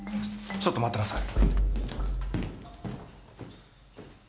ちょっと待ってなさい。